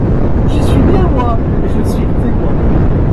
J’y suis bien, moi ! et je ne suis que témoin.